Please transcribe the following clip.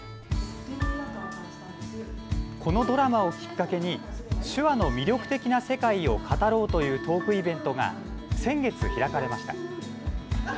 このドラマをきっかけに手話の魅力的な世界を語ろうというトークイベントが先月、開かれました。